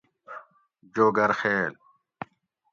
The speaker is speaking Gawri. جوگر خیل